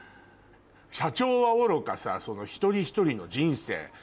社長はおろかさ一人一人の人生。